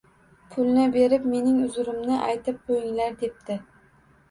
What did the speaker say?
Pulni berib, mening uzrimni aytib qo’yinglar, –debdi.